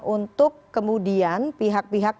untuk kemudian pihak pihak